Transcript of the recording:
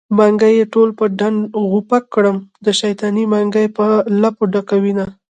منګي يې ټول په ډنډ غوپه کړم د شيطانۍ منګی په لپو ډکوينه